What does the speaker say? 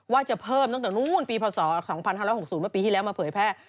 ว่าจะเพิ่มตั้งแต่ปี๒๖๐ปีที่แล้วมาเผยแพร่